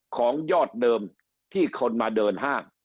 ของยอดเดิมที่คนมาเดินห้าง